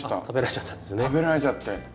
食べられちゃって。